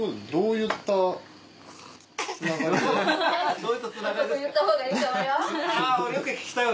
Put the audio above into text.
言ったほうがいいと思うよ。